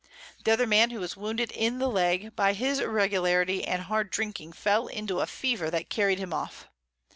The other Man who was wounded in the Leg, by his Irregularity and hard drinking fell into a Fever that carried him off.